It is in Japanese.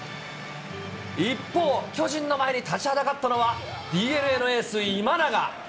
一方、巨人の前に立ちはだかったのは、ＤｅＮＡのエース、今永。